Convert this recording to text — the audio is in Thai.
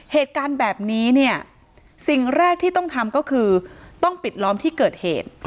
เหตุการณ์แบบนี้เนี่ยสิ่งแรกที่ต้องทำก็คือต้องปิดล้อมที่เกิดเหตุ